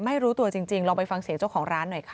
ไม่รู้ตัวจริงลองไปฟังเสียงเจ้าของร้านหน่อยค่ะ